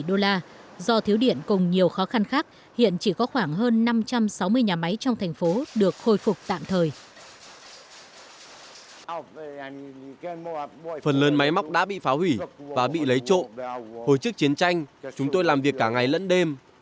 chúng tôi không bị phá hủy và bị lấy trộn hồi trước chiến tranh chúng tôi làm việc cả ngày lẫn đêm